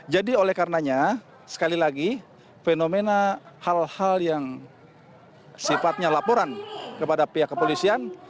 jadi oleh karenanya sekali lagi fenomena hal hal yang sifatnya laporan kepada pihak kepolisian